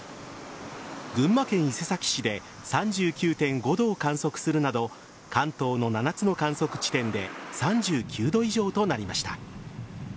群馬県伊勢崎市で３９．５度を観測するなど関東の７つの観測地点で３９度以上となりました。